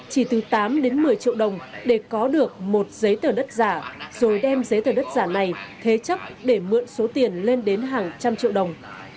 chỉ từ tám đến một mươi triệu đồng để có được một giấy tờ đất giả rồi đem giấy tờ đất giả này thế chấp để mượn số tiền lên đến hàng trăm triệu đồng